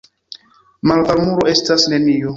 Malvarmumo estas nenio.